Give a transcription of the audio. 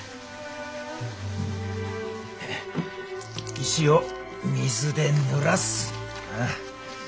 石を水でぬらす。